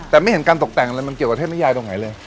แต่ไม่เห็นการตกแต่งอะไรมันเกี่ยวกับเทพนิยายตรงไหนเลย